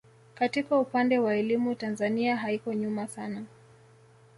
Katika upande wa elimu Tanzania haiko nyuma sana